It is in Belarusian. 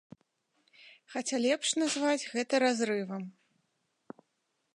Хаця, лепш назваць гэта разрывам.